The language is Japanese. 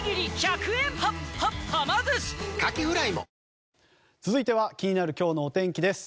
わぁ続いては気になる今日のお天気です。